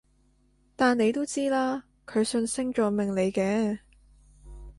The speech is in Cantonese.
但你都知啦，佢信星座命理嘅